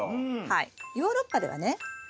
ヨーロッパではね